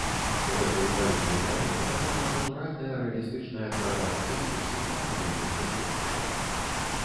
У гэтай ваеннай драме паказана натуральная рэалістычная чарада падзей з жыцця ваенных разведчыкаў.